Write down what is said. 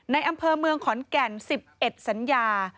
อำเภอเมืองขอนแก่น๑๑สัญญา